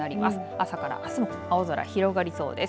朝からあすも青空広がりそうです。